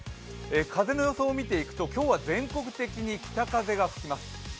風を見ていきますと今日は全国的に北風が吹きます。